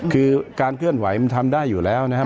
คือการเคลื่อนไหวมันทำได้อยู่แล้วนะครับ